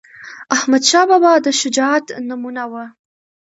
احمدشاه بابا د شجاعت نمونه وه..